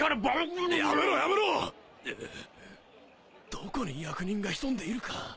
どこに役人が潜んでいるか。